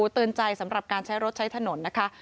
เตือนใจสำหรับการใช้รถใช้ถนนนะคะ